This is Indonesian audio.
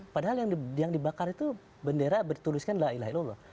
padahal yang dibakar itu bendera bertuliskan la ilaha illallah